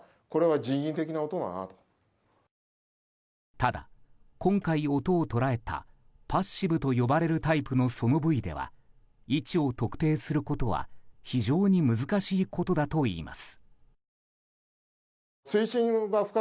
ただ今回、音を捉えたパッシブと呼ばれるタイプのソノブイでは位置を特定することは非常に難しいことだといいます。